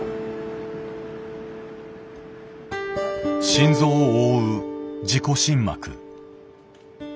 心臓を覆う自己心膜。